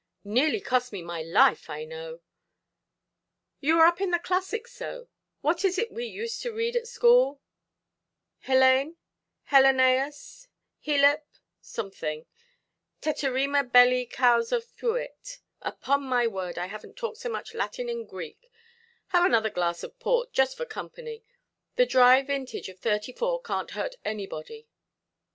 Nearly cost me my life, I know. You are up in the classics so: what is it we used to read at school?—Helene, Helenaus, Helip—something—teterrima belli causa fuit. Upon my word, I havenʼt talked so much Latin and Greek—have another glass of port, just for company; the dry vintage of '34 canʼt hurt anybody".